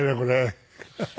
ハハハハ。